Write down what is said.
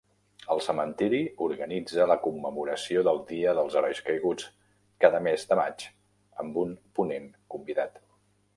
El cementiri organitza la commemoració del "Dia dels Herois Caiguts" cada mes de maig, amb un ponent convidat.